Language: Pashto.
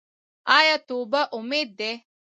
آیا توبه امید دی؟